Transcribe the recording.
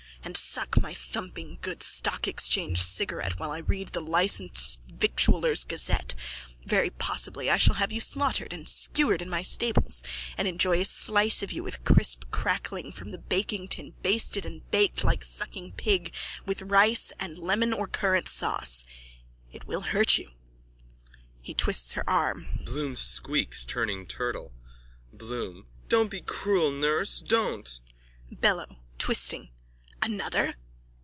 _ And suck my thumping good Stock Exchange cigar while I read the Licensed Victualler's Gazette. Very possibly I shall have you slaughtered and skewered in my stables and enjoy a slice of you with crisp crackling from the baking tin basted and baked like sucking pig with rice and lemon or currant sauce. It will hurt you. (He twists her arm. Bloom squeals, turning turtle.) BLOOM: Don't be cruel, nurse! Don't! BELLO: (Twisting.) Another!